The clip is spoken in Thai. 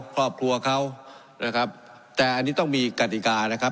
ครอบครัวเขานะครับแต่อันนี้ต้องมีกฎิกานะครับ